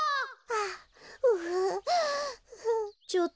あっ！